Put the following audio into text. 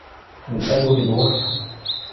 الأب في الغرفة.